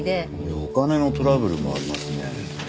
お金のトラブルもありますね。